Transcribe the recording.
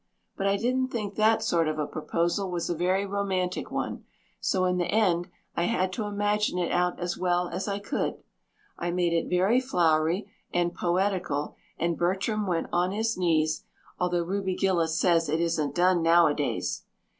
But I didn't think that sort of a proposal was a very romantic one, so in the end I had to imagine it out as well as I could. I made it very flowery and poetical and Bertram went on his knees, although Ruby Gillis says it isn't done nowadays.